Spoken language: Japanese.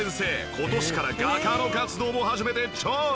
今年から画家の活動も始めて超大忙し！